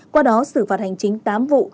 qua đó xử phạt hành chính tám vụ